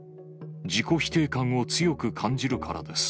自己否定感を強く感じるからです。